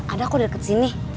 ada aku deket sini